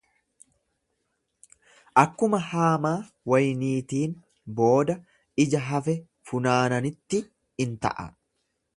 Akkuma haamaa wayniitiin booda ija hafe funaananitti in ta'a.